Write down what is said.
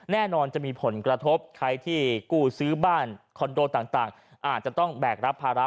แน่นอนจะมีผลกระทบใครที่กู้ซื้อบ้านคอนโดต่างอาจจะต้องแบกรับภาระ